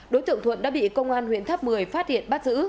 đối tượng thuận đã bị công an huyện tháp một mươi phát hiện bắt giữ